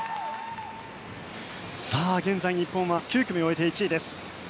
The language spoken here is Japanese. さあ現在、日本は９組終えて１位です。